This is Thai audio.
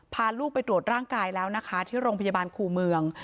พาลูกไปตรวจร่างกายแล้วนะคะที่โรงพยาบาลคู่เมือง